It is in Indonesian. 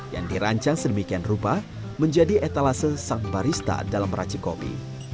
yang dirancang sedemikian rupa menjadi etalase sang barista dalam meracik kopi